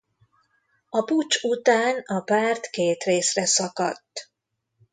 A puccs után a párt két részre szakadt.